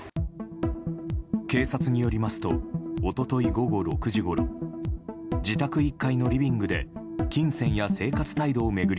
警察によりますと一昨日午後６時ごろ自宅１階のリビングで金銭や生活態度を巡り